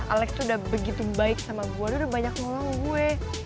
alex tuh udah begitu baik sama gue udah banyak ngomong gue